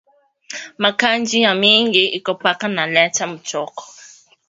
Ma Kaji ya mingi iko paka na leta muchoko